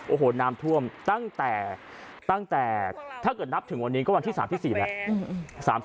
โอ้โหน้ำท่วมตั้งแต่ถ้าเกิดนับถึงวันนี้ก็วันที่๓๔แหละ